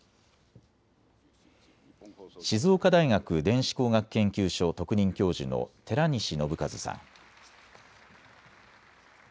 静岡大学電子工学研究所特任教授の寺西信一さん。